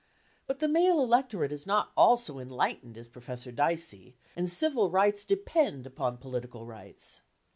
But the male electorate is not all so enlightened as Professor Dicey, and civil rights depend upon political rights.